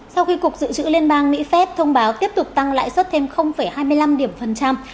sau khi cục dự trữ liên bang mỹ phép thông báo tiếp tục tăng lãi suất thêm hai mươi năm điểm phần trăm